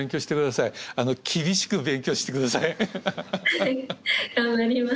はい頑張ります。